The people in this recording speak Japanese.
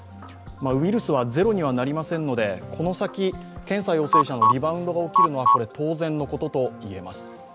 ウイルスはゼロにはなりませんのでこの先、検査陽性者のリバウンドが起きるのは当然のことといえます。